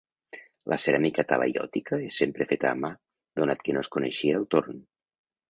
La ceràmica talaiòtica és sempre feta a mà, donat que no es coneixia el torn.